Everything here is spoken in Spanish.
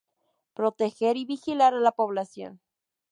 Proteger y vigilar a la población.